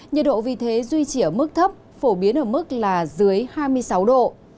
nhiệt độ vì thế duy trì ở mức thấp phổ biến ở mức là dưới hai mươi sáu độ